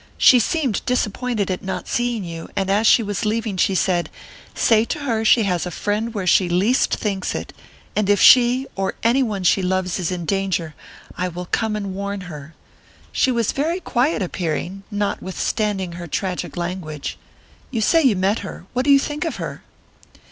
She seemed disappointed at not seeing you, and as she was leaving she said, 'Say to her she has a friend where she least thinks it, and if she, or any one she loves, is in danger, I will come and warn her.' She was very quiet appearing, notwithstanding her tragic language. You say you met her; what do you think of her?"